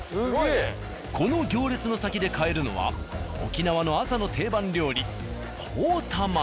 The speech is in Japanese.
この行列の先で買えるのは沖縄の朝の定番料理ポーたま。